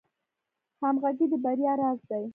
همغږي د بریا راز دی